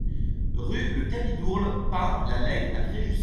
Rue Le Cabidourle Pin La Lègue à Fréjus